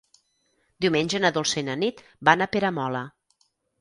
Diumenge na Dolça i na Nit van a Peramola.